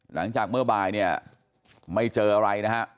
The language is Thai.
หลังจากเมื่อบ่ายเนี่ยไม่เจออะไรนะฮะ